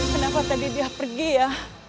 kenapa tadi dia pergi ya